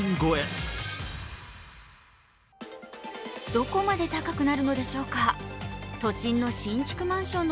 どこまで高くなるのでしょうか。